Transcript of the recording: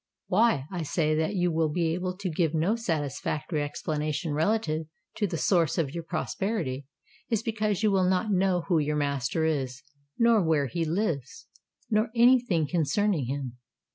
Why I say that you will be able to give no satisfactory explanation relative to the source of your prosperity, is because you will not know who your master is—nor where he lives—nor any thing concerning him.